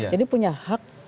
jadi punya hak